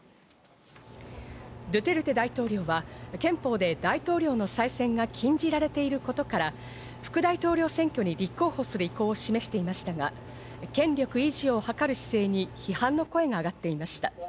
ドゥテルテ大統領は憲法で大統領の再選が禁じられていることから、副大統領選挙に立候補する意向を示していましたが、権力維持を図る姿勢に批判の声があがっていました。